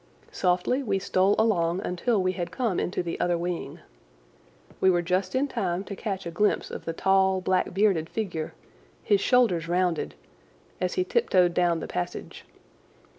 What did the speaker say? Softly we stole along until we had come into the other wing. We were just in time to catch a glimpse of the tall, black bearded figure, his shoulders rounded as he tiptoed down the passage.